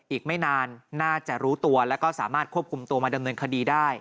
อีกไม่นานน่าจะรู้ตัวแล้วก็สามารถควบคุมตัวมาดำเนินคดีได้